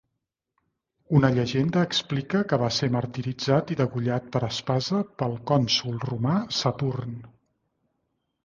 Una llegenda explica que va ser martiritzat i degollat per espasa pel cònsol romà Saturn.